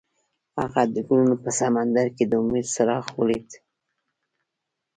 هغه د ګلونه په سمندر کې د امید څراغ ولید.